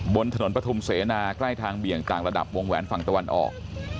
บนถนนปฐุมเสนาใกล้ทางเบี่ยงต่างระดับวงแหวนฝั่งตะวันออก